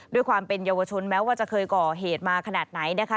ด้วยความเป็นเยาวชนแม้ว่าจะเคยก่อเหตุมาขนาดไหนนะคะ